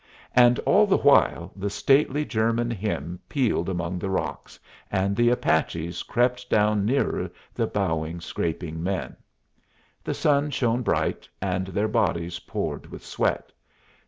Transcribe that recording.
And all the while the stately German hymn pealed among the rocks, and the Apaches crept down nearer the bowing, scraping men. The sun shone bright, and their bodies poured with sweat.